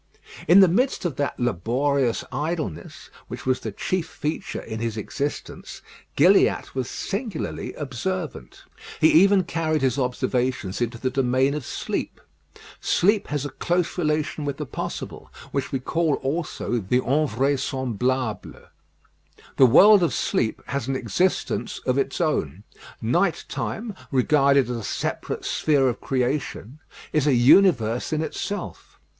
In the midst of that laborious idleness, which was the chief feature in his existence, Gilliatt was singularly observant. He even carried his observations into the domain of sleep. Sleep has a close relation with the possible, which we call also the invraisemblable. The world of sleep has an existence of its own. Night time, regarded as a separate sphere of creation, is a universe in itself.